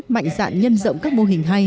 mạnh dạng nhân rộng các mô hình hay